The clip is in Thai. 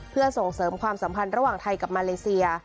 เพื่อส่งเสริมความสัมพันธ์ระหว่างไทยกับมาเลเซีย